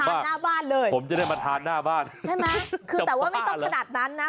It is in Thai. หน้าบ้านเลยผมจะได้มาทานหน้าบ้านใช่ไหมคือแต่ว่าไม่ต้องขนาดนั้นนะ